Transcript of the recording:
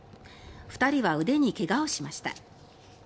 ２人は腕に怪我をしました。